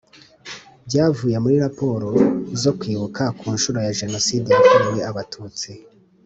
Byavuye muri raporo zo Kwibuka ku nshuro ya Jenoside yakorewe Abatutsi